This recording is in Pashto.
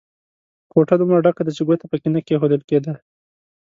کوټه دومره ډکه ده چې ګوته په کې نه کېښول کېده.